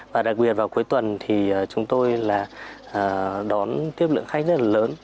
và đặc biệt vào cuối tuần thì chúng tôi là đón tiếp lượng khách rất là lớn